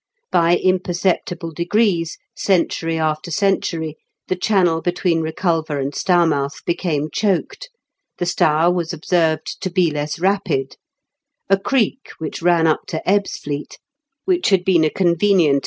By imperceptible degrees, century after cen tury, the channel between Eeculver and Stourmouth became choked; the Stour was observed to be less rapid ; a creek which ran up to Ebbsfleet, which had been a convenient 248 m KENT WITH CHABLE8 DICKENS.